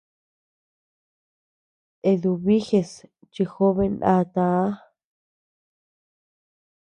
Eduviges chi jobe ndata.